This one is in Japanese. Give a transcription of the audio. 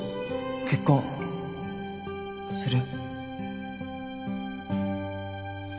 結婚する？